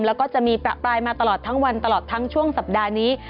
แล้วก็จะมีประปรายมาตลอดทั้งวันตลอดทั้งช่วงสัปดาห์นี้